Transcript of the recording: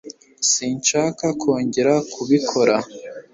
Sinshaka kongera kubikora